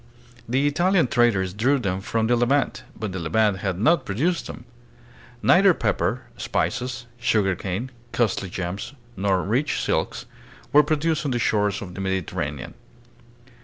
The Italian traders drew them from the Levant, but the Levant had not produced them. Neither pepper, spices, sugarcane, costly gems, nor rich silks, were pro duced on the shores of the Mediterranean.